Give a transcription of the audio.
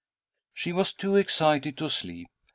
She was too excited to sleep.